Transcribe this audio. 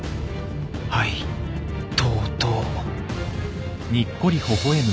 はいとうとう。